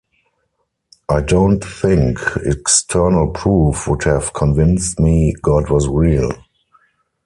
I don't think external proof would have convinced me God was real.